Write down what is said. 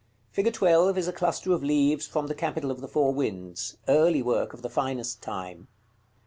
Fig. 12 is a cluster of leaves from the capital of the Four Winds; early work of the finest time.